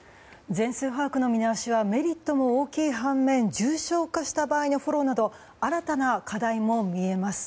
全数把握の見直しはメリットも大きい反面重症化した場合のフォローなど新たな課題も見えます。